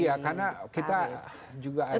iya karena kita juga ada